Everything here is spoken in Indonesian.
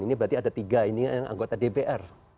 ini berarti ada tiga ini yang anggota dpr